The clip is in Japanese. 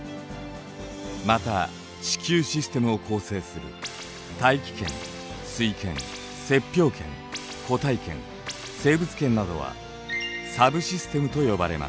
また地球システムを構成する大気圏水圏雪氷圏固体圏生物圏などはサブシステムと呼ばれます。